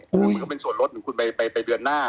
มันก็เป็นส่วนลดของคุณไปเดือนหน้า